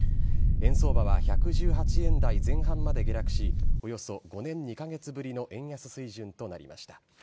円相場は１１８円台前半まで下落し、およそ５年２か月ぶりの円安水準となりました。